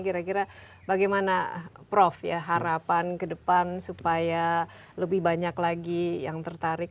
kira kira bagaimana prof ya harapan ke depan supaya lebih banyak lagi yang tertarik